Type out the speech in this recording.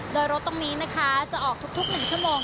โดยรถตรงนี้นะคะจะออกทุก๑ชั่วโมง